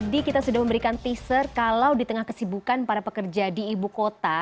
jadi kita sudah memberikan teaser kalau di tengah kesibukan para pekerja di ibu kota